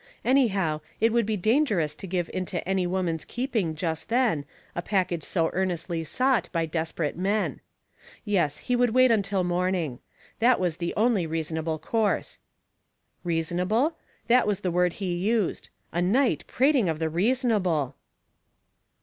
Anyhow, it would be dangerous to give into any woman's keeping just then a package so earnestly sought by desperate men. Yes, he would wait until morning. That was the only reasonable course. Reasonable? That was the word he used. A knight prating of the reasonable!